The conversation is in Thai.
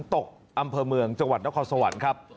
ตกอำเภอเมืองจังหวัดนครสวรรค์ครับ